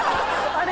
あれ？